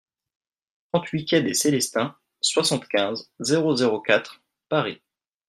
trente-huit quai des Célestins, soixante-quinze, zéro zéro quatre, Paris